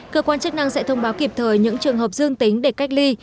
cơ quan chức năng sẽ thông báo kịp thời những trường hợp dương tính để cách ly